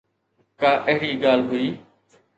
ڪا اهڙي ڳالهه هئي.